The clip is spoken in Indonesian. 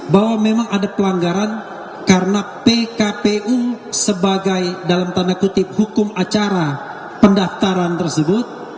bahwa memang ada pelanggaran karena pkpu sebagai dalam tanda kutip hukum acara pendaftaran tersebut